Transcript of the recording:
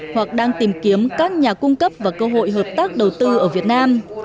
hoặc đang tìm kiếm các nhà cung cấp và cơ hội hợp tác đầu tư ở việt nam